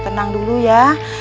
tenang dulu ya